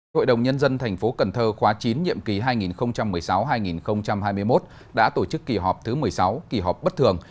hội đồng nhân dân thành phố cần thơ khóa chín nhiệm kỳ hai nghìn một mươi sáu hai nghìn hai mươi một đã tổ chức kỳ họp thứ một mươi sáu kỳ họp bất thường